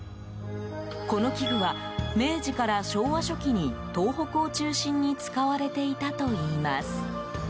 この器具は、明治から昭和初期に東北を中心に使われていたといいます。